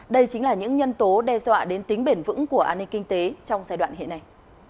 đây chính là những nhân tố đe dọa đến tính bền vững của an ninh kinh tế trong giai đoạn hiện nay